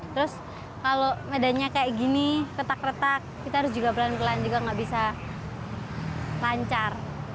terus kalau medannya kayak gini retak retak kita harus juga pelan pelan juga nggak bisa lancar